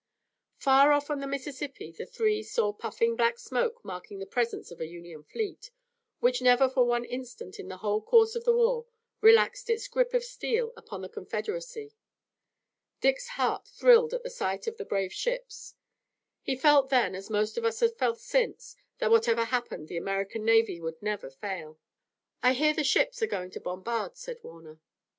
Far off on the Mississippi the three saw puffing black smoke marking the presence of a Union fleet, which never for one instant in the whole course of the war relaxed its grip of steel upon the Confederacy. Dick's heart thrilled at the sight of the brave ships. He felt then, as most of us have felt since, that whatever happened the American navy would never fail. "I hear the ships are going to bombard," said Warner.